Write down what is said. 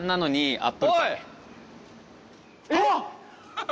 あっ‼